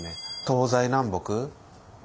東西南北